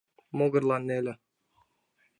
Могырлан неле.